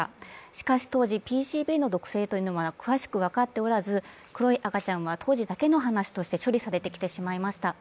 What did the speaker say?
しかし当時、ＰＣＢの毒性というものは詳しく分かっておらず、黒い赤ちゃんは当時だけの話として処理されてきてしまいました。